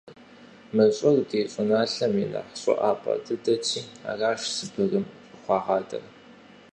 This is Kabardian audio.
Мы щӏыр ди щӏыналъэм и нэхъ щӏыӏапӏэ дыдэти аращ Сыбырым щӏыхуагъэдар.